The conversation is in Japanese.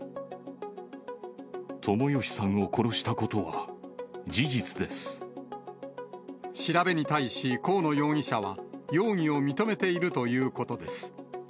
友義さんを殺したことは事実調べに対し、河野容疑者は容疑を認めているということです。